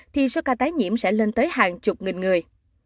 thì số ca tái nhiễm sẽ lên tới hàng chục nghìn người